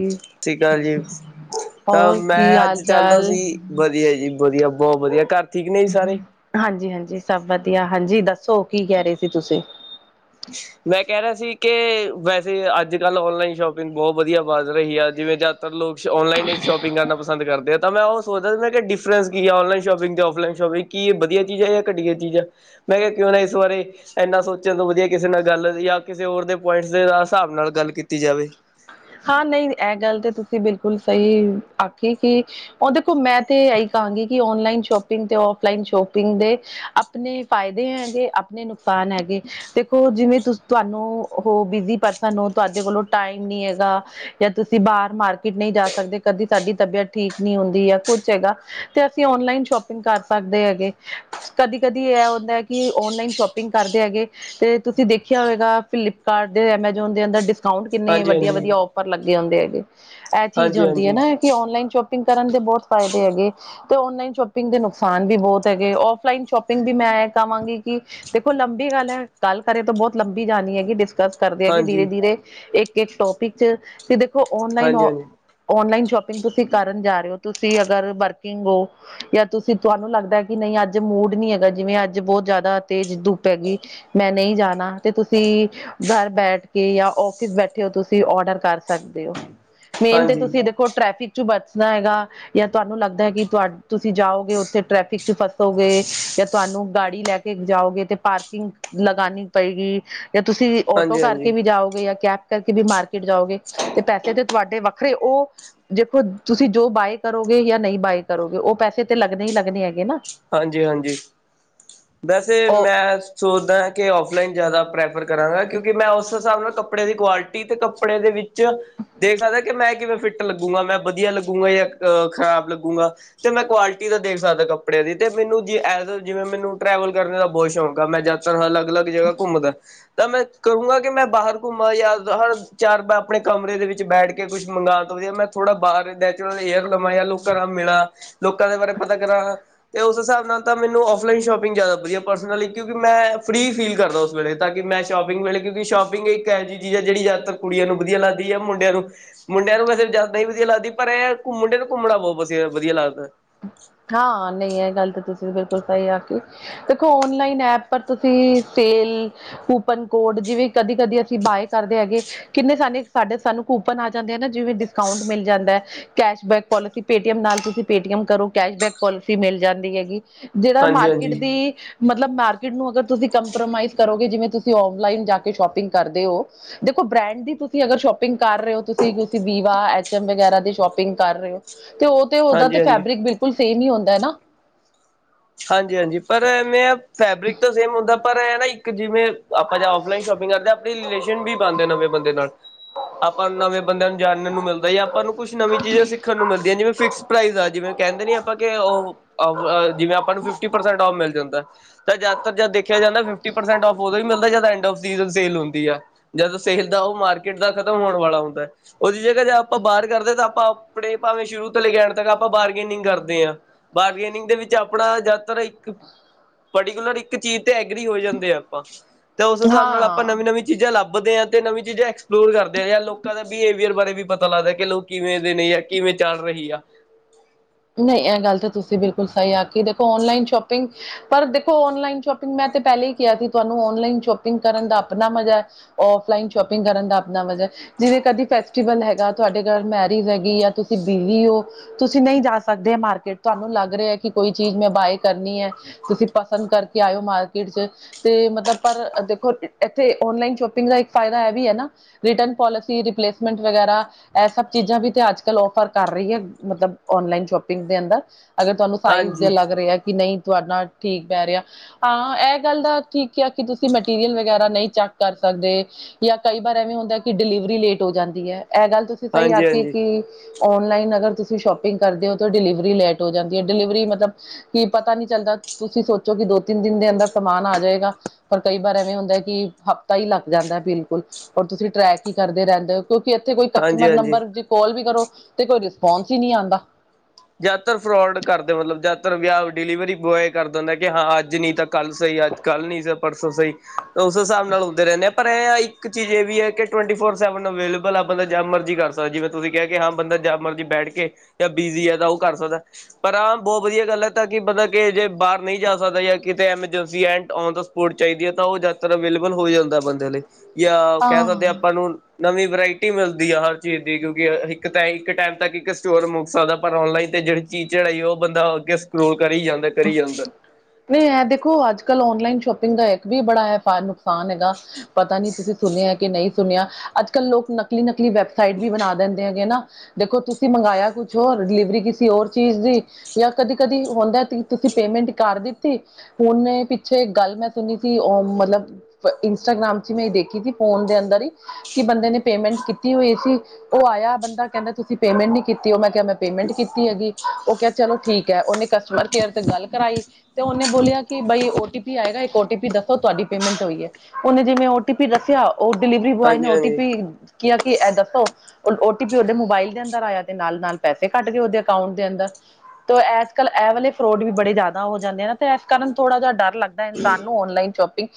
ਜੀ ਠੀਕ ਆ ਜੀ, ਤਾਂ ਹੋਰ ਕੀ ਮੈਂ ਹਾਲ ਅੱਜ ਚਾਹੁੰਦਾ ਚਾਲ ਸੀ ਵਧੀਆ ਜੀ ਵਧੀਆ, ਬਹੁਤ ਵਧੀਆ ਘਰ ਠੀਕ ਨੇ ਜੀ ਸਾਰੇ ਹਾਂਜੀ- ਹਾਂਜੀ ਸਭ ਵਧੀਆ, ਹਾਂਜੀ ਦੱਸੋ ਕੀ ਕਹਿ ਰਹੇ ਸੀ ਤੁਸੀਂ ਮੈਂ ਕਹਿ ਰਿਹਾ ਸੀ ਕਿ, ਵੈਸੇ ਅੱਜ ਕੱਲ੍ਹ ਔਨਲਾਈਨ ਸ਼ੋਪਿੰਗ ਬਹੁਤ ਵਧੀਆ ਵੱਧ ਰਹੀ ਆ ਜਿਵੇਂ ਜ ਤਾਂ ਲੋਕ ਔਨਲਾਈਨ ਹੀ ਸ਼ੋਪਿੰਗ ਕਰਨਾ ਪਸੰਦ ਕਰਦੇ ਆ, ਤਾਂ ਮੈਂ ਉਹ ਸੋਚਦਾ ਮੈਂ ਡਿਫਰੈਂਸ ਕੀ ਆ, ਔਨਲਾਈਨ ਸ਼ੋਪਿੰਗ ਤੇ ਔਫਲਾਈਨ ਸ਼ੋਪਿੰਗ ਕੀ ਇਹ ਵਧੀਆ ਚੀਜ਼ ਹੈ ਜਾਂ ਘਟੀਆ ਚੀਜ਼ ਆ, ਮੈਂ ਕਿਹਾ ਕਿਉਂ ਨਾ ਇਸ ਬਾਰੇ ਇੰਨਾ ਸੋਚਣ ਤੋਂ ਵਧੀਆ ਕਿਸੇ ਨਾਲ ਗੱਲ ਜਾਂ ਕਿਸੇ ਹੋਰ ਦੇ ਪੁਆਇੰਟਸ ਦੇ ਹਿਸਾਬ ਨਾਲ ਗੱਲ ਕੀਤੀ ਜਾਵੇ ਹਾਂ ਨਹੀਂ, ਇਹ ਗੱਲ ਤਾਂ ਤੁਸੀਂ ਬਿਲਕੁਲ ਸਹੀ ਆਖੀ ਕਿ ਉਹ ਦੇਖੋ, ਮੈਂ ਤੇ ਇਹੀ ਕਹਾਂਗੀ ਕਿ ਔਨਲਾਈਨ ਸ਼ੋਪਿੰਗ ਤੇ ਔਫਲਾਈਨ ਸ਼ੋਪਿੰਗ ਦੇ ਆਪਣੇ ਫਾਇਦੇ ਹੈਗੇ ਆਪਣੇ ਨੁਕਸਾਨ ਹੈਗੇ ਦੇਖੋ ਜਿਵੇਂ ਤੁਸੀ, ਤੁਹਾਨੂੰ ਹੋ ਬਿਜੀ ਪਰਸਨ ਹੋ ਤੁਹਾਡੇ ਕੋਲੋਂ ਟਾਈਮ ਨੀ ਹੈਗਾ ਜਾਂ ਤੁਸੀਂ ਬਾਹਰ ਮਾਰਕੀਟ ਨਹੀਂ ਜਾ ਸਕਦੇ, ਕਦੀ ਤੁਹਾਡੀ ਤਬੀਅਤ ਠੀਕ ਨਹੀਂ ਹੁੰਦੀ ਹੈ ਕੁਛ ਹੈਗਾ ਤੇ ਅਸੀਂ ਔਨਲਾਈਨ ਸ਼ੋਪਿੰਗ ਕਰ ਸਕਦੇ ਹੈਗੇ ਕਦੀ- ਕਦੀ ਇਹ ਹੁੰਦਾ ਕਿ, ਔਨਲਾਈਨ ਸ਼ੋਪਿੰਗ ਕਰਦੇ ਹੈਗੇ ਤੇ ਤੁਸੀਂ ਦੇਖਿਆ ਹੋਏਗਾ ਫਲਿੱਪਕਾਰਟ ਦੇ, ਐਮਾਜੋਨ ਦੇ ਅੰਦਰ ਡਿਸਕਾਊਂਟ ਕਿੰਨੇ ਹਾਂਜੀ ਵਡ ਹਾਂਜੀ ਪ ਲੱਗੇ ਹੁੰਦੇ ਹੈਗੇ, ਇਹ ਚੀਜ਼ ਹਾਂਜੀ ਹੁੰਦੀ ਹੈ ਹਾਂਜੀ ਨਾ ਕਿ ਔਨਲਾਈਨ ਸ਼ੋਪਿੰਗ ਕਰਨ ਦੇ ਬਹੁਤ ਫਾਇਦੇ ਹੈਗੇ ਤੇ ਔਨਲਾਈਨ ਸ਼ੋਪਿੰਗ ਦੇ ਨੁਕਸਾਨ ਵੀ ਬਹੁਤ ਹੈਗੇ, ਔਫਲਾਈਨ ਸ਼ੋਪਿੰਗ ਵੀ ਮੈਂ ਇਹ ਕਹਾਂਗੀ ਕਿ ਦੇਖੋ ਲੰਬੀ ਗੱਲ ਹੈ, ਗੱਲ ਕਰੇ ਤਾਂ ਬਹੁਤ ਲੰਬੀ ਜਾਣੀ ਹੈਗੀ ਗੱਲ ਕਰਦੇ ਹੈਗੇ ਧੀਰੇ- ਹਾਂਜੀ ਧੀਰੇ, ਇੱਕ, ਇੱਕ ਟੋਪਿਕ 'ਚ, ਤੇ ਦੇਖੋ ਔਨਲਾਈਨ ਹਾਂਜੀ ਹਾਂਜੀ ਔਨਲਾਈਨ ਸ਼ੋਪਿੰਗ ਤੁਸੀਂ ਕਰਨ ਜਾ ਰਹੇ ਹੋ, ਤੁਸੀਂ ਅਗਰ ਵਰਕਿੰਗ ਹੋ ਜਾਂ ਤੁਸੀਂ ਤੁਹਾਨੂੰ ਲੱਗਦਾ ਕਿ ਨਹੀਂ ਅੱਜ ਮੂਡ ਨੀ ਹੈਗਾ, ਜਿਵੇਂ ਅੱਜ ਬਹੁਤ ਜ਼ਿਆਦਾ ਤੇਜ਼ ਧੁੱਪ ਹੈਗੀ ਮੈਂ ਨਹੀਂ ਜਾਣਾ, ਤੇ ਤੁਸੀਂ ਘਰ ਬੈਠ ਕੇ ਜਾਂ ਆਫਿਸ ਬੈਠੇ ਹੋ ਤੁਸੀਂ ਆਰਡਰ ਕਰ ਸਕਦੇ ਹੋ, ਮੇਨ ਤੇ ਹਾਂਜੀ ਤੁਸੀਂ ਦੇਖੋ ਟ੍ਰੈਫਿਕ ਚੋਂ ਬਚਣਾ ਹੈਗਾ ਜਾਂ ਤੁਹਾਨੂੰ ਲੱਗਦਾ ਹੈ ਕਿ ਤੁਹਾ ਤੁਸੀਂ ਜਾਓਗੇ, ਉੱਥੇ ਟ੍ਰੈਫਿਕ 'ਚ ਫਸੋਗੇ ਜਾਂ ਤੁਹਾਨੂੰ ਗਾੜੀ ਲੈ ਕੇ ਜਾਓਗੇ ਤੇ ਪਾਰਕਿੰਗ ਲਗਾਉਣੀ ਪਏਗੀ ਜਾਂ ਤੁਸੀਂ ਆਟੋ ਹਾਂਜੀ ਕਰਕੇ ਹਾਂਜੀ ਵੀ ਜਾਓਗੇ ਜਾਂ ਕੈਬ ਕਰਕੇ ਵੀ ਮਾਰ ਜਾਓਗੇ, ਤੇ ਪੈਸੇ ਤੇ ਤੁਹਾਡੇ ਵੱਖਰੇ ਉਹ ਦੇਖੋ ਤੁਸੀਂ ਜੋ ਬਾਏ ਕਰੋਗੇ ਜਾਂ ਨਹੀਂ ਬਾਏ ਕਰੋਗੇ ਉਹ ਪੈਸੇ ਤੇ ਲੱਗਣੇ ਹੀ ਲੱਗਣੇ ਹੈਗੇ ਨਾ ਹਾਂਜੀ- ਹਾਂਜੀ, ਵੈਸੇ ਉਹ ਮੈਂ ਸੋਚਦਾ ਹਾਂ ਕਿ ਔਫਲਾਈਨ ਜ਼ਿਆਦਾ ਪ੍ਰੈਫਰ ਕਰਾਂਗਾ, ਕਿਉਂਕਿ ਮੈਂ ਉਸ ਹਿਸਾਬ ਨਾਲ ਕੱਪੜੇ ਦੀ ਕੁਆਲਿਟੀ ਤੇ ਕੱਪੜੇ ਦੇ ਵਿੱਚ ਦੇਖ ਸਕਦਾ ਕਿ ਮੈਂ ਕਿਵੇਂ ਫਿੱਟ ਲੱਗੂਗਾ, ਮੈਂ ਵਧੀਆ ਲੱਗੂਗਾ ਜਾਂ ਖਰਾਬ ਲੱਗੂਗਾ, ਤੇ ਮੈਂ ਕੁਆਲਿਟੀ ਦਾ ਦੇਖ ਸਕਦਾ ਕੱ ਕੱਪੜਿਆਂ ਦੀ, ਤੇ ਮੈਨੂੰ ਜ ਜਿਵੇਂ ਮੈਨੂੰ ਟਰੈਵਲ ਕਰਨ ਦਾ ਬਹੁਤ ਸ਼ੌਕ ਆ ਮੈਂ ਯਾਤਰ ਅਲੱਗ -ਅਲੱਗ ਜਗ੍ਹਾ ਘੁੰਮਦਾ ਤਾਂ ਮੈਂ ਕਹੂੰਗਾ ਕਿ ਮੈਂ ਬਾਹਰ ਘੁੰਮਾਂ ਜਾਂ ਹਰ ਚਾਰ ਆਪਣੇ ਕਮਰੇ ਦੇ ਵਿੱਚ ਬੈਠ ਕੇ ਕੁਛ ਮੰਗਉਣ ਤੋਂ ਵਧੀਆ, ਮੈਂ ਥੋੜਾ ਬਾਹਰ ਨੈਚੁਰਲ ਏਅਰ ਲਵਾਂ ਜਾਂ ਲੋਕਾਂ ਨਾਲ ਮਿਲਾਂ ਲੋਕਾਂ ਦੇ ਬਾਰੇ ਪਤਾ ਕਰਾਂ ਤੇ ਉਸ ਹਿਸਾਬ ਨਾਲ ਤਾਂ ਮੈਨੂੰ ਔਫਲਾਈਨ ਸ਼ੋਪਿੰਗ ਜ਼ਿਆਦਾ ਵਧੀਆ ਪਰਸਨਲੀ, ਕਿਉਂਕਿ ਮੈਂ ਫ੍ਰਰੀ ਫੀਲ ਕਰਦਾ ਉਸ ਵੇਲੇ ਤਾਂ ਕਿ ਮੈਂ ਸ਼ੋਪਿੰਗ ਵੇਲੇ, ਕਿਉਂਕਿ ਸ਼ਾਪਿੰਗ ਇੱਕ ਇਹੋ ਜਿਹੀ ਚੀਜ਼ ਹੈ ਜਿਹੜੀ ਜਿਆਦਾਤਰ ਕੁੜੀਆਂ ਨੂੰ ਵਧੀਆ ਲੱਗਦੀ ਹੈ ਮੁੰਡਿਆਂ ਨੂੰ ਮੁੰਡਿਆਂ ਨੂੰ ਵੈਸੇ ਜਿਆਦਾ ਨਹੀਂ ਵਧੀਆ ਲੱਗਦੀ, ਪਰ ਇਹ ਮੁੰਡਿਆਂ ਨੂੰ ਘੁੰਮਣਾ ਬਹੁਤ ਵਧੀਆ, ਵਧੀਆ ਲੱਗਦਾ ਹਾਂ, ਨਹੀਂ ਇਹ ਗੱਲ ਤਾਂ ਤੁਸੀਂ ਬਿਲਕੁਲ ਸਹੀ ਆਖੀ ਦੇਖੋ ਔਨਲਾਈਨ ਐਪ ਪਰ ਤੁਸੀਂ ਸੇਲ ਕੂਪਨ ਕੋਡ, ਜਿਵੇਂ ਕਦੀ -ਕਦੀ ਅਸੀਂ ਬਾਏ ਕਰਦੇ ਹੈਗੇ ਕਿੰਨੇ ਸਾਨੂੰ, ਸਾਡੇ ਸਾਨੂੰ ਕੂਪਨ ਆ ਜਾਂਦੇ ਆ ਨਾ, ਜਿਵੇਂ ਡਿਸਕਾਊਂਟ ਮਿਲ ਜਾਂਦਾ ਕੈਸ਼ਬੈਕ ਪੋਲਿਸੀ ਪੇਟੀਐਮ ਨਾਲ ਤੁਸੀਂ ਪੇਟੀਐਮ ਕਰੋ ਕੈਸ਼ਬੈਕ ਪੋਲਿਸੀ ਮਿਲ ਜਾਂਦੀ ਹੈਗੀ, ਜਿਹੜਾ ਹਾਂਜੀ ਮਾਰਕੀਟ ਹਾਂਜੀ ਦੀ ਮਤਲਬ ਮਾਰਕੀਟ ਨੂੰ ਅਗਰ ਤੁਸੀਂ ਕੰਪਰੋਮਾਈਜ਼ ਕਰੋਗੇ ਜਿਵੇਂ ਤੁਸੀਂ ਔਨਲਾਈਨ ਜਾ ਕੇ ਸ਼ੋਪਿੰਗ ਕਰਦੇ ਹੋ ਦੇਖੋ ਬ੍ਰੈਂਡ ਦੀ ਤੁਸੀਂ ਅਗਰ ਸ਼ੋਪਿੰਗ ਕਰ ਰਹੇ ਹੋ ਤੁਸੀਂ, ਤੁਸੀਂ ਵੀਵਾ, ਐਚ ਐਮ ਵਗੈਰਾ ਦੀ ਸ਼ੋਪਿੰਗ ਕਰ ਰਹੇ ਹੋ ਤੇ ਉਹ ਤੇ ਉਹਦਾ ਹਾਂਜੀ ਤੇ ਹਾਂਜੀ ਫੈਬਰਿਕ ਬਿਲਕੁਲ ਸੇਮ ਹੀ ਹੁੰਦਾ ਹੈ ਨਾ, ਹਾਂਜੀ-ਹਾਂਜੀ, ਪਰ ਐਵੇਂ ਫੈਬਰਿਕ ਤੋਂ ਸੇਮ ਹੁੰਦਾ ਪਰ ਹੈ ਨਾ ਇੱਕ ਜਿਵੇਂ ਆਪਾਂ ਜੇ ਔਫਲਾਈਨ ਸ਼ੋਪਿੰਗ ਕਰਦੇ ਹਾਂ ਆਪਣੀ ਰਿਲੇਸ਼ਨ ਵੀ ਬਣਦੇ ਨਵੇਂ ਬੰਦੇ ਨਾਲ ਆਪਾਂ ਨਵੇਂ ਬੰਦਿਆ ਨੂੰ ਜਾਣਨ ਨੂੰ ਮਿਲਦਾ ਹੈ ਜਾ ਆਪਾਂ ਨੂੰ ਕੁਛ ਨਵੀਂ ਚੀਜ਼ਾਂ ਸਿੱ ਖਣ ਨੂੰ ਮਿਲਦੀਆਂ ਜਿਵੇਂ ਫਿਕ ਪਰਾਇਸ ਆ ਜਿਵੇਂ ਕਹਿੰਦੇ ਨੀ ਆਪਾਂ ਉਹ ਜਿਵੇਂ ਪਰ ਫਿਫਟੀ ਪਰਸੈਂਟ ਔਫ ਮਿਲ ਜਾਂਦਾ- ਤਾਂ ਜ਼ਿਆਦਾਤਰ ਜਦ ਦੇਖਿਆ ਜਾਂਦਾ ਫਿਫਟੀ ਪਰਸੈਂਟ ਉਦੋਂ ਹੀ ਮਿਲਦਾ ਜਦ ਐਂਡ ਸੇਲ ਹੁੰਦੀ ਹੈ। ਜਦ ਸੇਲ ਦਾ ਉਹ ਮਾਰਕੀਟ ਦਾ ਖ਼ਤਮ ਹੋਣ ਵਾਲਾ ਹੁੰਦਾ। ਉਹਦੀ ਜਗ੍ਹਾ ਜੇ ਆਪਾਂ ਬਾਹਰ ਕਰਦੇ ਹਾਂ ਤਾਂ ਆਪਾਂ ਆਪਣੇ ਭਾਵੇਂ ਸ਼ੁਰੂ ਤੋਂ ਲੈ ਕੇ ਆਣ ਤੱਕ ਆਪਾਂ ਬਾਰਗੇਨਿੰਗ ਕਰਦੇ ਹਾਂ। ਬਾਰਗੇਨਿੰਗ ਦੇ ਵਿੱਚ ਆਪ ਆਪਣਾ ਜ਼ਿਆਦਾਤਰ ਇੱਕ ਪਰਟੀਕੁਲਰ ਇੱਕ ਚੀਜ਼ ਤੇ ਐਗਰੀ ਹੋ ਜਾਂਦੇ ਆ ਆਪਾਂ, ਤਾਂ, ਉਸ ਹਿਸਾਬ ਨਾਲ ਆਪਾਂ ਹਾਂ। ਨਵੀਂ ਨਵੀਂ, ਚੀਜ਼ਾਂ ਲੱਭਦੇ ਆ ਤੇ ਨਵੀਂ ਚੀਜ਼ਾਂ ਐਕਸਪਲੋਰ ਕਰਦੇ ਜਾਂ ਲੋਕਾਂ ਦਾ ਬਿਹੇਵੀਅਰ ਬਾਰੇ ਵੀ ਪਤਾ ਲੱਗਦਾ ਕਿ ਲੋਕ, ਕਿਵੇਂ ਦੇਣੇ ਆ ਕਿਵੇਂ ਚੱਲ ਰਹੀ ਆ। ਨਹੀਂ ਇਹ ਗੱਲ ਤਾਂ ਤੁਸੀਂ ਬਿਲਕੁਲ ਸਹੀ ਆਖੀ ਦੇਖੋ ਆਨਲਾਈਨ ਸ਼ੋਪਿੰਗ, ਪਰ ਦੇਖੋ ਆਨਲਾਈਨ ਸ਼ੋਪਿੰਗ ਮੈਂ ਤਾਂ ਪਹਿਲੇ ਹੀ ਕਿਹਾ ਸੀ ਤੁਹਾਨੂੰ ਆਨਲਾਈਨ ਸ਼ੋਪਿੰਗ ਕਰਨ ਦਾ ਆਪਣਾ ਮਜ਼ਾ ਹੈ। ਔਫਲਾਈਨ ਸ਼ੋਪਿੰਗ ਕਰਨ ਦਾ ਆਪਣਾ ਮਜ਼ਾ ਹੈ। ਜਿਹਦੇ ਕਰਕੇ ਫੈਸਟੀਵਲ ਹੈਗਾ, ਤੁਹਾਡੇ ਘਰ ਮੈਰਿਜ ਹੈਗੀ ਜਾਂ ਤੁਸੀਂ ਬਿਜੀ ਹੋ ਤੁਸੀਂ ਨਹੀਂ ਜਾ ਸਕਦੇ। ਬੰਦੇ ਮਾਰਕੀਟ ਤੁਹਾਨੂੰ ਲੱਗ ਰਿਹਾ ਹੈ, ਕਿ ਕੋਈ ਚੀਜ਼ ਮੈਂ ਬਾਏ ਕਰਨੀ ਹੈ। ਤੁਸੀਂ ਪਸੰਦ ਕਰਕੇ ਆਇਓ ਮਾਰਕੀਟ 'ਚ। ਤੇ ਮਤਲਬ ਪਰ ਦੇਖੋ ਇੱਥੇ ਆਨਲਾਈਨ ਸ਼ੋਪਿੰਗ ਦਾ ਇੱਕ ਫਾਇਦਾ ਇਹ ਵੀ ਹੈ ਨਾ। ਰਿਟਰਨ ਪੋਲਿਸੀ ਰਿਪਲੇਸਮੈਂਟ ਵਗੈਰਾ, ਇਹ ਸਭ ਚੀਜ਼ਾਂ ਵੀ ਤੇ ਅੱਜ ਕੱਲ ਔਫਰ ਕਰ ਰਹੀ ਹੈ ਮਤਲਬ ਆਨਲਾਈਨ ਸ਼ੋਪਿੰਗ। ਦੇ ਅੰਦਰ ਅਗਰ ਤੁਹਾਨੂੰ ਸਾਈਜ਼ ਦੇ ਹਾਂਜੀ, ਲੱਗ ਰਿਹਾ ਕਿ ਨਹੀਂ ਤੁਹਾਡਾ ਨਾਲ ਠੀਕ ਪੈ ਰਿਹਾ, ਹਾਂ ਇਹ ਗੱਲ ਦਾ ਠੀਕ ਆ ਕਿ ਤੁਸੀਂ ਮਟੀਰੀਅਲ ਵਗੈਰਾ ਨਹੀਂ ਚੈੱਕ ਕਰ ਸਕਦੇ ਜਾਂ ਕਈ ਵਾਰ ਐਵੇਂ ਹੁੰਦਾ ਕਿ ਡਿਲੀਵਰੀ ਲੇਟ ਹੋ ਜਾਂਦੀ ਹੈ ਇਹ ਗੱਲ ਤੁਸੀਂ ਹੈ ਸਹੀ ਆਖ ਹਾਂਜੀ-ਹਾਂਜੀ, ਕਿ ਆਨਲਾਈਨ ਅਗਰ ਤੁਸੀਂ ਸ਼ੋਪਿੰਗ ਕਰਦੇ ਹੋ, ਡਿਲੀਵਰੀ ਲੇਟ ਹੋ ਜਾਂਦੀ ਹੈ ਡਿਲੀਵਰੀ ਮਤਲਬ ਕੀ ਪਤਾ ਨੀ ਚੱਲਦਾ ਤੁਸੀਂ ਸੋਚੋ ਕਿ ਦੋ ਤਿੰਨ ਦਿਨ ਦੇ ਅੰਦਰ ਸਮਾਨ ਆ ਜਾਏਗਾ। ਪਰ ਕਈ ਵਾਰ ਐਵੇਂ ਹੁੰਦਾ ਕਿ ਹਫ਼ਤਾ ਹੀ ਲੱਗ ਜਾਂਦਾ ਬਿਲਕੁਲ ਔਰ ਤੁਸੀਂ ਟਰੈਕ ਹੀ ਕਰਦੇ ਰਹਿੰਦੇ ਹੋ। ਕਿਉਂਕਿ ਇੱਥੇ ਕੋਈ ਕਸਟਮਰ ਹਾਂਜੀ-ਹਾਂਜੀ। ਨੰਬਰ ਜੇ ਕੋਲ ਵੀ ਕਰੋ ਤੇ ਕੋਈ ਰਿਸਪੋਂਸ ਹੀ ਨਹੀਂ ਆਉਂਦਾ। ਜ਼ਿਆਦਾਤਰ ਫਰੋਡ ਕਰਦੇ ਮਤਲਬ ਜ਼ਿਆਦਾਤਰ ਵਿਆਹ ਡਿਲੀਵਰੀ ਬੋਆਏ ਕਰਦਾ ਹੁੰਦਾ ਕਿ ਹਾਂ ਅੱਜ ਨਹੀਂ ਤਾਂ ਕੱਲ੍ਹ ਸਹੀ ਅੱਜ ਕੱਲ੍ਹ ਨੀ ਪਰਸੋਂ ਸਹੀ ਉਸ ਹਿਸਾਬ ਨਾਲ ਹੁੰਦੇ ਰਹਿੰਦੇ ਆ, ਪਰ ਇਹ ਇੱਕ ਚੀਜ਼ ਇਹ ਵੀ ਹੈ ਕਿ ਟਵੈਨਟੀ ਫੋਰ ਸੈਵਨ ਅਵੇਲੇਬਲ ਆ ਬੰਦਾ ਜ ਮਰਜ਼ਜੀ ਕਰ ਸਕਦਾ ਜਿਵੇਂ, ਤੁਸੀਂ ਕਿਹਾ ਕੇ ਹਾਂ ਬੰਦਾ ਜਾਂ ਮਰਜੀ ਬੈਠ ਕੇ ਜਾਂ ਬਿਜੀ ਹੈ ਤਾਂ ਉਹ ਕਰ ਸਕਦਾ। ਪਰ ਹਾਂ ਬਹੁਤ ਵਧੀਆ ਗੱਲ ਹੈ ਤਾਂ ਕਿ ਮਤਲਬ ਕਿ ਜੇ ਬਾਹਰ ਨਹੀਂ ਜਾ ਸਕਦਾ ਜਾਂ ਕਿਤੇ ਐਮਰਜੈਂਸੀ ਐਂਟ ਆਉਂ ਹੁਣ ਚਾਹੀਦੀ ਹੈ ਤਾਂ ਉਹ ਜ਼ਿਆਦਤਰ ਅਵੇਲੇਬਲ ਹੋ ਜਾਂਦਾ ਬੰਦੇ ਲਈ ਜਾਂ ਕਹਿ ਹਾਂ ਦਿੰਦੇ ਆਂ ਆਪਾਂ ਨੂੰ। ਨਵੀਂ ਵਰਾਇਟੀ ਮਿਲਦੀ ਆ ਹਰ ਚੀਜ਼ ਦੀ ਕਿਉਂਕਿ ਇੱਕ ਇੱਕ ਟਾਈਮ ਤੱਕ ਇੱਕ ਸਟੋਰ ਮੁੱਕ ਸਕਦਾ, ਪਰ ਆਨਲਾਈਨ ਤੇ ਜਿਹੜੀ ਚੀਜ਼ ਚੜਾਈ ਹੈ ਉਹ ਬੰਦਾ ਅੱਗੇ ਸਕੋਲ ਕਰੀ ਜਾਂਦਾ, ਕਰੀ ਜਾਂਦਾ। ਨਹੀਂ ਇਹ ਦੇਖੋ ਅੱਜ ਕੱਲ੍ਹ ਆਨਲਾਈਨ ਸ਼ੋਪਿੰਗ ਦਾ ਇੱਕ ਵੀ ਬੜਾ ਇਹ ਨੁਕਸਾਨ ਹੈਗਾ ਪਤਾ ਨੀ, ਤੁਸੀਂ ਸੁਣਿਆ ਕਿ ਨਹੀਂ ਸੁਣਿਆ ਅੱਜ ਕੱਲ੍ਹ ਲੋਕ ਨਕਲੀ ਨਕਲੀ ਵੈਬਸਾਈਟ ਵੀ ਬਣਾ ਦਿੰਦੇ ਹੈਗੇ ਨਾ, ਦੇਖੋ ਤੁਸੀਂ ਮੰਗਾਇਆ ਕੁਛ ਹੋਰ ਡਿਲੀਵਰੀ ਕਿਸੇ ਹੋਰ ਚੀਜ਼ ਦੀ, ਜਾਂ ਕਦੀ ਕਦੀ ਹੁੰਦਾ ਤੁਸੀਂ ਪੇਮੈਂਟ ਕਰ ਦਿੱਤੀ ਦਿੱਤੀ ਹੁਣ ਮੈਂ ਪਿੱਛੇ ਗੱਲ ਮੈਂ ਸੁਣੀ ਸੀ ਉਹ ਮਤਲਬ, ਇੰਸਟਾਗ੍ਰਾਮ ਚ ਮੈਂ ਦੇਖੀ ਸੀ ਫੋਨ ਦੇ ਅੰਦਰ ਹੀ, ਕਿ ਬੰਦੇ ਨੇ ਪੇਮੈਂਟ ਕੀਤੀ ਹੋਈ ਸੀ, ਉਹ ਆਇਆ ਬੰਦਾ ਕਹਿੰਦਾ ਤੁਸੀਂ ਪੇਮੈਂਟ ਨੀ ਕੀਤੀ ਉਹ ਮੈਂ ਕਿਹਾ, ਪੇਮੈਂਟ ਕੀਤੀ ਹੈਗੀ ਉਹ ਕਿਹਾ ਚਲੋ ਠੀਕ ਹੈ ਉਹਨੇ ਕਸਟਮਰ ਕੇਅਰ ਤੇ ਗੱਲ ਕਰਾਈ, ਤੇ ਉਹਨੇ ਬੋਲਿਆ ਕਿ ਬਾਈ ਓ ਟੀ ਪੀ ਆਏਗਾ ਇੱਕ ਓ ਟੀ ਪੀ ਦੱਸੋ ਤੁਹਾਡੀ ਪੇਮੈਂਟ ਹੋਈ ਹੈ, ਉਹਨੇ ਜਿਵੇਂ ਓ ਟੀ ਪੀ ਦੱਸਿਆ ਉਹ ਡਿਲੀਵਰੀ ਬੋਆਏ ਨੇ ਹਾਂਜੀ ਓਟੀ ਹਾਂਜੀ ਪੀ ਕੀ ਕਿਹਾ ਕਿ ਇਹ ਦੱਸੋ, ਔਰ ਓ ਟੀ ਪੀ ਉਹਦੇ ਮੋਬਾਇਲ ਦੇ ਅੰਦਰ ਆਇਆ ਤੇ ਨਾਲ ਨਾਲ ਪੈਸੇ ਕੱਟਗੇ ਉਹਦੇ ਅਕਾਊਂਟ ਦੇ ਅੰਦਰ, ਤੋ, ਐਜ ਕਲ ਐ ਵਾਲੇ ਫਰੋਡ ਵੀ ਬੜੇ ਜ਼ਿਆਦਾ ਜਾਂਦੇ ਨੇ, ਤੇ ਐਸ ਕਾਰਨ ਥੋੜ੍ਹਾ ਜਿਹਾ ਡਰ ਲੱਗਦਾ ਇਨਸਾਨ ਨੂੰ ਔਨਲਾਈਨ ਸ਼ੌਪਿੰਗ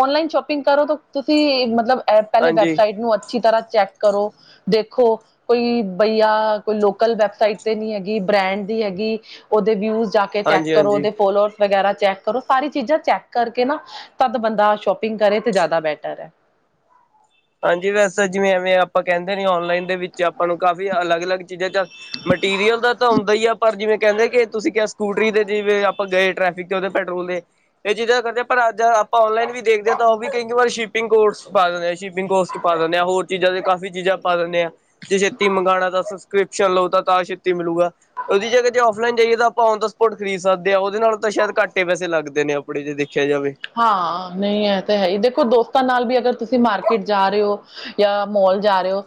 ਔਨਲਾਈਨ ਸ਼ੋਪਿੰਗ ਕਰੋ ਤਾਂ ਤੁਸੀਂ, ਮਤਲਬ ਐ ਪਹਿਲੇ ਹਾਂਜੀ ਵੈਬਸਾਈਟ ਨੂੰ ਅੱਛੀ ਤਰ੍ਹਾਂ ਚੈੱਕ ਕਰੋ, ਦੇਖੋ ਕੋਈ ਬਈਆ, ਕੋਈ ਲੋਕਲ ਵੈਬਸਾਈਟ ਤੇ ਨਹੀਂ ਹੈਗੀ, ਬ੍ਰੈਂਡ ਦੀ ਹੈਗੀ, ਉਹਦੇ ਵਿਊਜ਼ ਜਾਕੇ ਚੈੱਕ ਹਾਂਜੀ ਕਰੋ, ਹਾਂਜੀ ਉਹਦੇ ਫੋਲੋਅਰਸ ਵਗੈਰਾ ਚੈੱਕ ਕਰੋ, ਸਾਰੀ ਚੀਜ਼ਾ ਚੈੱਕ ਕਰਕੇ ਨਾ ਤਦ ਬੰਦਾ ਸ਼ੋਪਿੰਗ ਕਰੇ, ਤੇ ਜ਼ਿਆਦਾ ਬੈਟਰ ਐ। ਹਾਂਜੀ, ਵੈਸੇ ਜਿਵੇਂ ਐਵੇਂ ਆਪਾਂ ਕਹਿੰਦੇ ਨਹੀ ਔਨਲਾਈਨ ਦੇ ਵਿੱਚ ਆਪਾਂ ਨੂੰ ਕਾਫ਼ੀ ਅਲੱਗ-ਅਲੱਗ ਚੀਜ਼ਾਂ 'ਚ ਮਟੀਰੀਅਲ ਦਾ ਤਾ, ਹੁੰਦਾ ਹੀ ਆ ਪਰ ਜਿਵੇਂ ਕਹਿੰਦੇ ਕਿ, ਤੁਸੀਂ ਕਿਹਾ ਸਕੂਟਰੀ ਦੇ ਜਿਵੇਂ ਆਪਾਂ ਗਏ ਟ੍ਰੈਫਿਕ 'ਚ ਉਹਦੇ ਪੈਟਰੋਲ ਦੇ ਇਹ ਚੀਜ਼ਾਂ ਕਰਦੇ ਆ, ਪਰ ਅੱਜ ਆਪਾਂ ਔਨਲਾਈਨ ਵੀ ਦੇਖਦੇ ਹਾਂ, ਉਹ ਵੀ ਕਈ ਵਾਰੀ ਸ਼ਿਪਿੰਗ ਕੋਰਟਸ ਪਾ ਦਿੰਦੇ ਆ। ਸ਼ਿਪਿੰਗ ਕੋਰਟਸ ਪਾ ਦਿੰਦੇ ਹਾਂ, ਹੋਰ ਚੀਜ਼ਾਂ ਦੇ ਕਾਫ਼ੀ ਚੀਜ਼ਾਂ ਪਾ ਦਿੰਨੇ ਆਂ, ਜੇ ਛੇਤੀ ਮੰਗਾਣਾ ਤਾ ਸਸਕ੍ਰੀਪ ਚਲੋ ਤਾ ਤਾ ਛੇਤੀ ਮਿਲੂਗਾ। ਉਹਦੀ ਜਗਾ ਜੇ ਔਫਲਾਈਨ ਜਾਈਏ ਤਾਂ ਆਪਾਂ ਔਨ ਦ ਸਪੋਟ ਖਰੀਦ ਸਕਦੇ ਹਾਂ। ਉਹਦੇ ਨਾਲੋ ਤਾਂ ਸ਼ਾਇਦ ਘੱਟ ਹੀ ਪੈਸੇ ਲੱਗਦੇ ਨੇ ਥੋੜੇ ਜੇ ਦੇਖਿਆ ਜਾਵੇ। ਹਾਂ, ਨਹੀਂ ਐ ਤਾਂ ਹੈਹੀ, ਦੇਖੋ ਦੋਸਤਾਂ ਨਾਲ ਵੀ ਅਗਰ ਤੁਸੀਂ ਮਾਰਕੀਟ ਜਾ ਰਹੇ ਹੋ ਯਾ ਮੋਲ ਜਾ ਰਹੇ ਹੋ,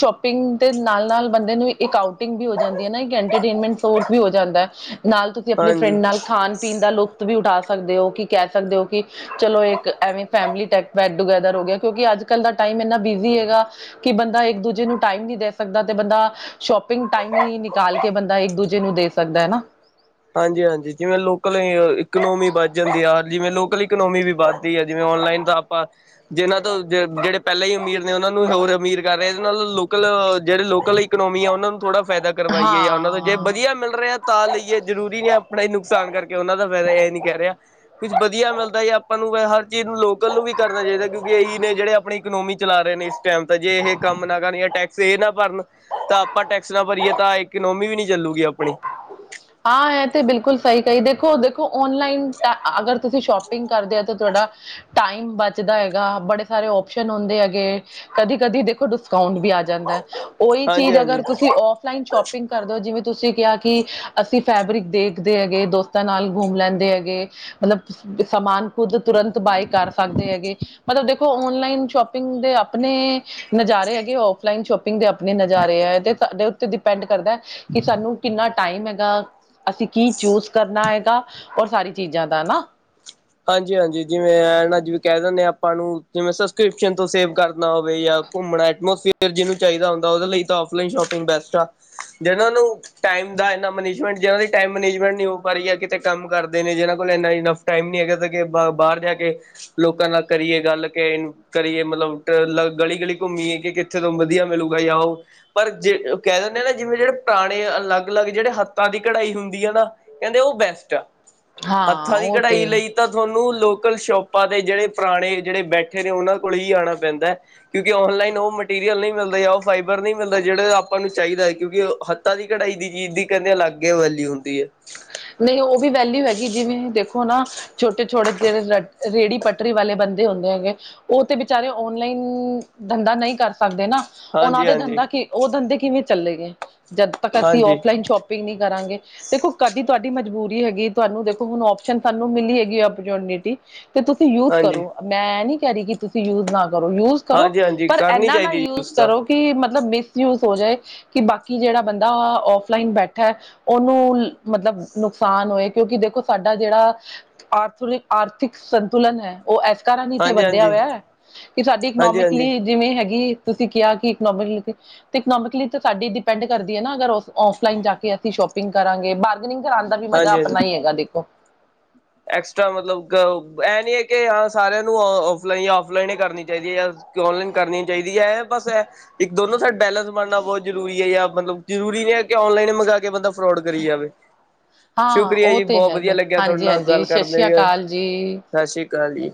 ਸ਼ੋਪਿੰਗ ਦੇ ਨਾਲ-ਨਾਲ ਬੰਦੇ ਨੂੰ ਈ ਇੱਕ ਆਊਟਿੰਗ ਵੀ ਹੋ ਜਾਂਦੀ ਹੈ ਨਾ, ਇੱਕ ਐਂਟਰਟੇਨਮੈਂਟ ਸੋਰਸ ਵੀ ਹੋ ਜਾਂਦਾ ਹੈ, ਨਾਲ ਤੁਸੀਂ ਆਪਣੇ ਫਰੈਂਡ ਹਾਂਜੀ ਨਾਲ ਖਾਣ ਪੀਣ ਦਾ ਲੁਫ਼ਤ ਵੀ ਉਠਾ ਸਕਦੇ ਹੋ, ਕਿ ਕਹਿ ਸਕਦੇ ਹੋ ਕਿ ਚਲੋ ਇੱਕ ਐਵੇਂ ਫੈਮਲੀ ਟੈਟ-ਬੈਟ ਟੂਗੈਦਰ ਹੋਗਿਆ, ਕਿਉਂਕਿ ਅੱਜ-ਕੱਲ ਦਾ ਟਾਈਮ ਇੰਨਾ ਬਿਜ਼ੀ ਹੈਗਾ ਕਿ ਬੰਦਾ ਇੱਕ-ਦੂਜੇ ਨੂੰ ਟਾਈਮ ਨਹੀਂ ਦੇ ਸਕਦਾ, ਤੇ ਬੰਦਾ ਸ਼ੋਪਿੰਗ ਟਾਈਮਲੀ ਨਿਕਾਲਕੇ ਬੰਦਾ ਇੱਕ-ਦੂਜੇ ਨੂੰ, ਦੇ ਸਕਦਾ ਨਾ। ਹਾਂਜੀ-ਹਾਂਜੀ, ਜਿਵੇਂ ਲੋਕਲ ਇਕਨੋਮੀ ਵੱਧ ਜਾਂਦੀ ਆ, ਜਿਵੇਂ ਲੋਕਲ ਇਕੋਨੋਮੀ ਵੀ ਵੱਧ ਆ, ਜਿਵੇਂ ਔਨਲਾਈਨ ਤਾਂ ਆਪਾ ਜਿਹਨ੍ਹਾਂ ਤੋਂ, ਜਿਹੜੇ ਪਹਿਲਾਂ ਹੀ ਅਮੀਰ ਨੇ ਉਹਨਾਂ ਨੂੰ ਹੋਰ ਅਮੀਰ ਕਰ ਰਹੇ, ਜਿਨਾਂ ਦੇ ਲੋਕਲ, ਜਿਹੜੇ ਲੋਕਲ ਹੀ ਇਕਨੋਮੀ ਆ ਉਹਨਾਂ ਨੂੰ ਥੋੜਾ ਫਾਇਦਾ ਕਰਵਾਈਏ, ਯਾ ਉਹਨਾਂ ਦਾ ਜੇ ਹਾਂ ਵਧੀਆ ਮਿਲ ਰਿਹਾ ਤਾਂ ਲਈਏ ਜ਼ਰੂਰੀ ਨਹੀਂ ਆ ਆਪਣਾ ਨੁਕਸਾਨ ਕਰਕੇ, ਉਹਨਾਂ ਦਾ ਫਾਇਦਾ। ਇਹ ਨੀ ਕਹਿ ਰਿਹਾ। ਕੁਛ ਵਧੀਆ ਮਿਲਦਾ ਹੈ, ਯਾ ਆਪਾਂ ਨੂੰ ਹਰ ਚੀਜ਼ ਨੂੰ ਲੋਕਲ ਨੂੰ ਵੀ ਕਰਨਾ ਚਾਹੀਦਾ, ਕਿਉਂਕਿ ਇਹੀ ਨੇ ਜਿਹੜੇ ਆਪਣੀ ਇਕਨੋਮੀ ਚਲਾ ਰਹੇ ਨੇ ਇਸ ਟਾਈਮ, ਤਾਂ ਜੇ ਇਹ ਕੰਮ ਨਾ ਕਰਨ, ਯਾ ਟੈਕਸ ਇਹ ਨਾ ਭਰਨ ਤਾ ਆਪਾਂ ਟੈਕਸ ਨਾ ਭਰੀਏ ਤਾਂ, ਇਕਨੋਮੀ ਵੀ ਨੀ ਚੱਲੂਗੀ ਆਪਣੀ। ਹਾਂ, ਇਹ ਤੇ ਬਿਲਕੁਲ ਸਹੀ ਕਹੀ, ਦੇਖੋ, ਦੇਖੋ ਔਨਲਾਈਨ ਅਗਰ ਤੁਸੀਂ ਸ਼ੋਪਿੰਗ ਕਰਦੇ ਹੋ, ਤਾਂ ਤੁਹਾਡਾ ਟਾਈਮ ਬਚਦਾ ਹੈਗਾ, ਬੜੇ ਸਾਰੇ ਔਪਸ਼ਨ ਹੁੰਦੇ ਹੈਗੇ, ਕਦੀ-ਕਦੀ ਦੇਖੋ ਡਿਸਕਾੰਊਂਟ ਵੀ ਆ ਜਾਂਦਾ, ਉਹੀ ਚੀਜ਼ ਅਗਰ ਹਾਂਜੀ-ਹਾਂਜੀ ਤੁਸੀਂ ਔਫਲਾਈਨ ਸ਼ੋਪਿੰਗ ਕਰਦੇ ਓ, ਜਿਵੇਂ ਤੁਸੀਂ ਕਿਹਾ ਕਿ ਅਸੀਂ ਫੈਬਰਿਕ ਦੇਖਦੇ ਹੈਗੇ, ਦੋਸਤਾਂ ਨਾਲ ਘੁੰਮ ਲੈਂਦੇ ਹੈਗੇ। ਮਤਲਬ, ਸਮਾਨ ਖੁੱਦ ਤੁਰੰਤ ਬਾਏ ਕਰ ਸਕਦੇ ਹੈਗੇ, ਮਤਲਬ ਦੇਖੋ ਔਨਲਾਈਨ ਸ਼ੌਪ ਸ਼ੌਪਿੰਗ ਦੇ ਆਪਣੇ ਨਜ਼ਾਰੇ ਹੈਗੇ, ਔਫਲਾਈਨ ਸ਼ੋਪਿੰਗ ਦੇ ਆਪਣੇ ਨਜ਼ਾਰੇ ਆ, ਤੇ ਸਾਡੇ ਉੱਤੇ ਡਿਪੈਂਡ ਕਰਦਾ ਕਿ ਸਾਨੂੰ ਕਿੰਨਾ ਟਾਈਮ ਹੈਗਾ ਅਸੀਂ ਕੀ ਚੂਜ ਕਰਨਾ ਹੈਗਾ, ਔਰ ਸਾਰੀ ਚੀਜ਼ਾਂ ਦਾ ਹਨਾ। ਹਾਂਜੀ-ਹਾਂਜੀ, ਜਿਵੇਂ ਐਨਾਂ, ਜਿਵੇ ਕਹਿ ਦਿੰਨੇ ਹਾਂ ਆਪਾਂ ਨੂੰ, ਜਿਵੇਂ ਸਬਸਕ੍ਰਿਪਸ਼ਨ ਤੋਂ ਸੇਵ ਕਰਨਾ ਹੋਵੇ ਯਾ ਘੁੰਮਣਾ, ਐਟਮੋਸਫੀਅਰ ਜਿਹਨੂੰ ਚਾਹੀਦਾ ਹੁੰਦਾ ਉਹਦੇ ਲਈ ਤਾਂ ਔਫਲਾਈਨ ਸ਼ੋਪਿੰਗ ਬੈਸਟ ਆ। ਜਿਹਨਾਂ ਨੂੰ ਟਾਈਮ ਦਾ ਇਨਾ ਮਨੇਜਮੇਂਟ ਜਿਹਨਾਂ ਦੀ ਟਾਈਮ ਮਨੇਜਮੇਂਟ ਨਹੀਂ ਹੋ ਪਾ ਰਹੀ ਹੈ, ਕਿਤੇ ਕੰਮ ਕਰਦੇ ਨੇ ਜਿਹਨਾਂ ਕੋਲ ਇੰਨਾ ਟਾਈਮ ਨੀ ਹੈਗਾ ਮਤਲਬ ਕੇ ਬਾਹਰ ਜਾਕੇ, ਲੋਕਾਂ ਨਾਲ ਕਰੀਏ ਗੱਲ ਕੇ ਕਰੀਏ ਮਤਲਬ ਗਲੀ-ਗਲੀ ਘੁੰਮੀਏ, ਕਿ ਕਿੱਥੇ ਤੋਂ ਵਧੀਆ ਮਿਲੁਗਾ ਯਾ, ਉਹ ਪਰ ਜੇ ਕਹਿ ਦਿੰਦੇ ਹਾ ਨਾ ਜਿਵੇਂ ਜਿਹੜੇ ਪੁਰਾਣੇ ਅਲੱਗ-ਅਲੱਗ ਜਿਹੜੇ ਹੱਥਾਂ ਦੀ ਕਢਾਈ ਹੁੰਦੀ ਆ, ਨਾ ਕਹਿੰਦੇ ਉਹ ਬੈਸਟ ਆ। ਹਾਂ ਹੱਥਾਂ ਦੀ ਉਹ ਕਢਾਈ ਤੇ ਲਈ ਤਾਂ ਥਹਾਨੂੰ ਲੋਕਲ ਸ਼ੋਪਾਂ ਤੇ, ਜਿਹੜੇ ਪੁਰਾਣੇ ਜਿਹੜੇ ਬੈਠੇ ਨੇ ਉਹਨਾਂ ਕੋਲ ਹੀ ਆਣਾ ਪੈਂਦਾ ਕਿਉਂਕਿ ਔਨਲਾਈਨ ਉਹ ਮਟੀਰੀਅਲ ਨਹੀਂ ਮਿਲਦਾ, ਯਾ ਉਹ ਫਾਈਬਰ ਨਹੀਂ ਮਿਲਦਾ ਜਿਹੜਾ ਆਪਾਂ ਨੂੰ ਚਾਹੀਦਾ ਹੈ, ਕਿਉਂਕਿ ਹੱਥਾਂ ਦੀ ਕਢਾਈ ਦੀ ਚੀਜ਼ ਦੀ, ਕਹਿੰਦੇ ਅਲੱਗੇ ਵੈਲਿਊ ਹੁੰਦੀ ਹੈ। ਨਹੀਂ, ਉਹ ਵੀ ਵੈਲਿਊ ਹੈਗੀ ਜਿਵੇਂ ਦੇਖੋ ਨਾ ਛੋਟੇ-ਛੋਟੇ ਜਿਹੜੇ ਰ, ਰੇਹੜੀ ਪੱਟਰੀ ਵਾਲੇ ਬੰਦੇ ਹੁੰਦੇ ਹੈਗੇ ਉਹ ਤੇ ਬਿਚਾਰੇ ਔਨਲਾਈਨ ਧੰਦਾ ਨਹੀਂ ਕਰ ਸਕਦੇ ਨਾ। ਉਹਨਾਂ ਹਾਂਜੀ ਦੇ ਹਾਂਜੀ ਧੰਦਾ ਉਹ ਧੰਦੇ ਕਿਵੇਂ ਚੱਲੇ ਗਏ ਜਦ ਤੱਕ ਅਸੀਂ ਹਾਂਜੀ ਔਫਲਾਈਨ ਸ਼ੋਪ ਨਹੀ ਕਰਾਂਗੇ ਦੇਖੋ ਕਾਦੀ ਤੁਹਾਡੀ ਮਜ਼ਬੂਰੀ ਹੈਗੀ ਤੁਹਾਨੂੰ ਦੇਖੋ ਹੁਣ ਓਪਸ਼ਨ ਸਾਨੂੰ ਮਿਲੀ ਹੈਗੀ ਓਪਰਚੁਨਿਟੀ। ਤੇ ਤੁਸੀਂ ਯੂਜ ਹਾਂਜੀ ਕਰੋ ਮੈਂ ਇਹ ਨੀ ਕਹਿ ਰਹੀ ਕਿ ਤੁਸੀਂ ਯੂਜ ਨਾ ਕਰੋ ਯੂਜ ਕਰੋ ਹਾਂਜੀ ਹਾਂਜੀ ਪਰ ਕਰਨੀ ਇਨਾ ਨਾ ਚਾਹੀਦੀ ਯੂਜ ਤਾਂ ਕਰੋ ਕਿ ਮਤਲਬ ਮਿਸਯੂਜ ਹੋ ਜਾਏ। ਕਿ ਬਾਕੀ ਜਿਹੜਾ ਬੰਦਾ ਔਫਲਾਈਨ ਬੈਠਾ ਉਹਨੂੰ ਮਤਲਬ ਨੁਕਸਾਨ ਹੋਏ ਕਿਉਂਕਿ ਦੇਖੋ ਸਾਡਾ ਜਿਹੜਾ ਆਰਥਿਕ ਆਰਥਿਕ ਸੰਤੁਲਨ ਹੈ। ਉਹ ਇਸ ਕਾਰਨ ਹੀ ਤੇ ਹਾਂਜੀ ਬੰਦਿਆ ਹਾਂਜੀ ਹੋਇਆ ਕਿ ਸਾਡੀ ਹਾਂਜੀ ਹਾਂਜੀ ਇਕਨੋਮਿਕਲੀ ਜਿਵੇਂ ਹੈਗੀ ਤੁਸੀਂ ਕਿਹਾ ਕਿ ਇੱਕ ਨੋਵਲ ਤੇ ਇਕਨੋਮਿਕਲੀ ਤਾਂ ਸਾਡੀ ਡਿਪੈਂਡ ਕਰਦੀ ਹੈ ਨਾ ਅਗਰ ਔਫਲਾਈਨ ਜਾ ਕੇ ਅਸੀਂ ਸ਼ੋਪਿੰਗ ਕਰਾਂਗੇ ਬ। ਸੀਲਿੰਗ ਕਰਾਉਣ ਦਾ ਵੀ ਮਜ਼ਾ ਹਾਂਜੀ ਹਾਂਜੀ ਆਪਣਾ ਹੀਈ ਹੈਗਾ ਦੇਖੋ। ਐਕਸਟਰਾ ਮਤਲਬ ਇਹ ਨਹੀਂ ਹੈ ਕਿ ਹਾਂ ਸਾਰਿਆਂ ਨੂੰ ਔਫਲਾਈਨ ਜਾਂ ਔਫਲਾਈਨ ਹੀ ਕਰਨੀ ਚਾਹੀਦੀ ਹੈ ਜਾਂ। ਕਿ ਔਨਲਾਈਨ ਕਰਨੀ ਚਾਹੀਦੀ ਹੈ ਬਸ ਇੱਕ ਦੋਨੋ ਸਾਈਡ ਬੈਲੈਂਸ ਬਣਨਾ ਬਹੁਤ ਇਕ ਦੋਨੋ ਸੈਡ ਬੈਲਸ ਬਣਨਾ ਬੋਤ ਜ਼ਰੂਰੀ ਯ ਜਰੂਰੀ ਨਹੀਂ ਹੈ ਕਿ ਔਨਲਾਈਨ ਹੀ ਮੰਗਵਾ ਕੇ ਬੰਦਾ ਫਰੋਡ ਕਰੀ ਜਾਵੇ। ਹਾਂ ਸ਼ੁਕਰੀਆ ਉਹ ਜੀ ਤੇ ਬਹੁਤ ਵਧੀਆ ਹੈਗਾ ਲੱਗਿਆ ਤੁਹਾਡੇ ਹਾਂਜੀ ਨਾਲ ਹਾਂਜੀ ਗੱਲ ਸਤਿ ਕਰਦੇ ਸ੍ਰੀ ਅਕਾਲ ਜੀ ਸਤਿ ਸ੍ਰੀ ਅਕਾਲ ਜੀ।